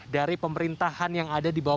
dari pemerintahan yang ada di bawah